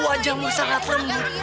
oh hani wajahmu sangat lembut